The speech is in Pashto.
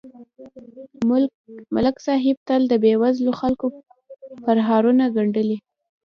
ملک صاحب تل د بېوزلو خلکو پرهارونه گنډلي